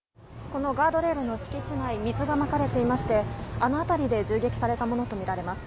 このガードレールの敷地内、水がまかれていまして、あの辺りで銃撃されたものと見られます。